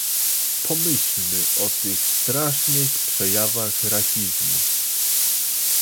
Pomyślmy o tych strasznych przejawach rasizmu